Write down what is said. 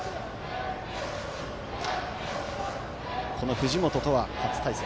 藤本とは初対戦。